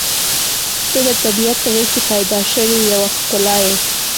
• ته د طبیعت غېږ کې پیدا شوې یوه ښکلا یې.